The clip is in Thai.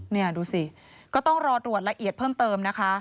นี่ดูสิก็ต้องรอตรวจละเอียดเพิ่มเติมนะคะ